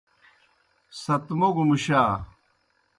ست موگوْ مُشا۔